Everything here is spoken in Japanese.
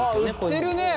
あ売ってるね！